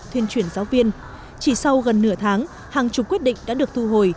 thuyên chuyển giáo viên chỉ sau gần nửa tháng hàng chục quyết định đã được thu hồi